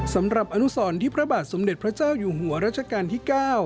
สำหรับอนุสรที่พระบาทสมเด็จพระเจ้าอยู่หัวรัชกาลที่๙